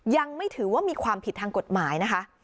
ยังไม่ถือว่ามีความผิดทางกฎหมายนะคะ